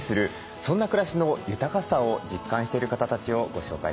そんな暮らしの豊かさを実感してる方たちをご紹介していきます。